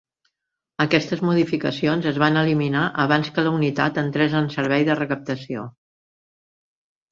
Aquestes modificacions es van eliminar abans que la unitat entrés en el servei de recaptació.